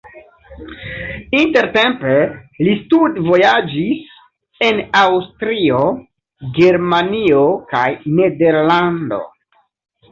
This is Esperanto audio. Intertempe li studvojaĝis en Aŭstrio, Germanio kaj Nederlando.